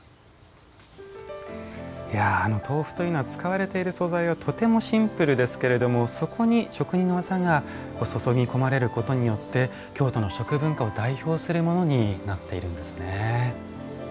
豆腐というのは使われている素材はとてもシンプルですけれどもそこに職人の技が注ぎ込まれることによって京都の食文化を代表するものになっているんですね。